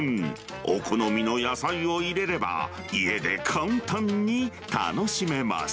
お好みの野菜を入れれば、家で簡単に楽しめます。